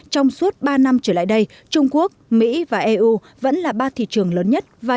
trong suốt ba năm trở lại đây trung quốc mỹ và eu vẫn là ba thị trường lớn nhất và